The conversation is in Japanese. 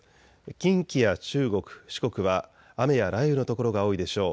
近畿や中国、四国は雨や雷雨の所が多いでしょう。